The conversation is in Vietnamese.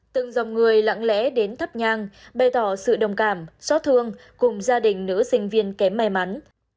từng dòng người lặng lẽ đến thắp nhang bày tỏ sự đồng cảm xót thương cùng gia đình nữ sinh viên kém may mắn